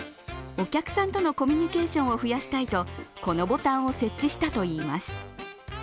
お客さんとのコミュニケーションを増やしたいとこのボタンを設置したといいます。